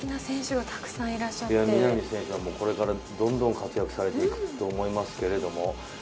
南選手はこれからどんどん活躍されていくと思いますけれども。